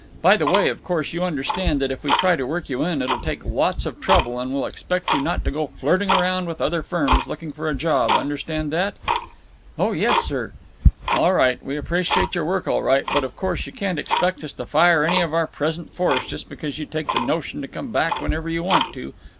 By the way, of course you understand that if we try to work you in it'll take lots of trouble, and we'll expect you to not go flirting round with other firms, looking for a job. Understand that?" "Oh yes, sir." "All right. We appreciate your work all right, but of course you can 't expect us to fire any of our present force just because you take the notion to come back whenever you want to….